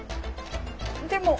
でも。